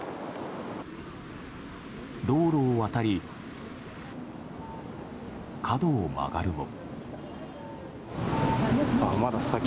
道路を渡り、角を曲がるも。